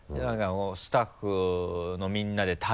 スタッフのみんなで食べて。